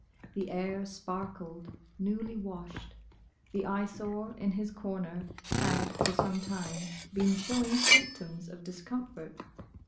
The air sparkled, newly washed. The Eyesore in his corner had, for some time, been showing symptoms of discomfort.